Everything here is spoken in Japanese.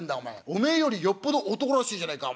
おめえよりよっぽど男らしいじゃねえか。